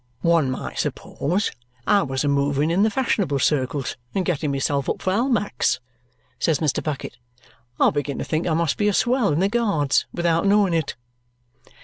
"One might suppose I was a moving in the fashionable circles and getting myself up for almac's," says Mr. Bucket. "I begin to think I must be a swell in the Guards without knowing it."